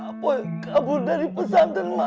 apoy kabur dari pesantren emak